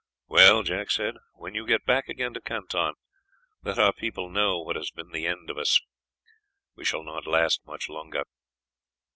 "Well," Jack said, "when you get back again to Canton let our people know what has been the end of us; we shall not last much longer."